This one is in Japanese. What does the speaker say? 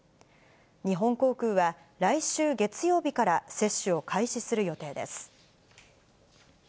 日本航空は、来週月曜日から接種を開始する予定です。